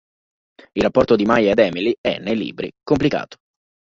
Il rapporto di Maya ed Emily è, nei libri, complicato.